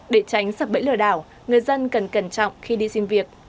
để tránh sập bẫy lừa đảo người dân cần cẩn trọng khi đi xin việc